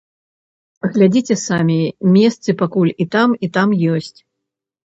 Глядзіце самі, месцы пакуль і там, і там ёсць.